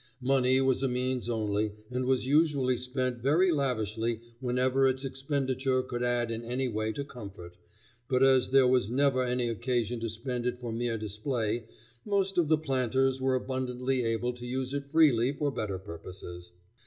Money was a means only, and was usually spent very lavishly whenever its expenditure could add in any way to comfort, but as there was never any occasion to spend it for mere display, most of the planters were abundantly able to use it freely for better purposes.